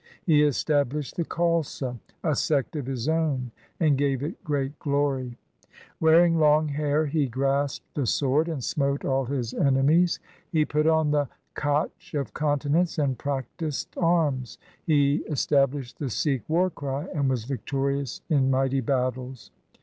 He established the Khalsa, a sect of his own, and gave it great glory. SIKH. V S 258 THE SIKH RELIGION Wearing long hair he grasped the sword and smote all his enemies. He put on the kachh of continence and practised arms. He established the Sikh war cry and was victorious in mighty battles.